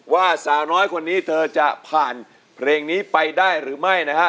ว่าสาวน้อยคนนี้เธอจะผ่านเพลงนี้ไปได้หรือไม่นะฮะ